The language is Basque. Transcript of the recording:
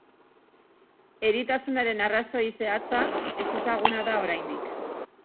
Eritasunaren arrazoi zehatza ezezaguna da oraindik.